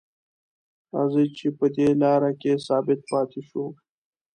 راځئ چې په دې لاره کې ثابت پاتې شو.